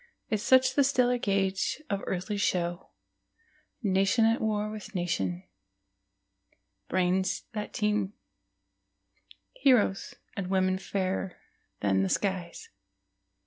Is such the stellar gauge of earthly show, Nation at war with nation, brains that teem, Heroes, and women fairer than the skies?